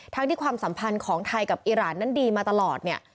ที่ความสัมพันธ์ของไทยกับอิราณนั้นดีมาตลอดเนี่ย